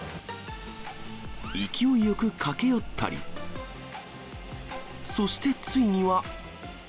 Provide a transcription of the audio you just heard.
勢いよく駆け寄ったり、そしてついには。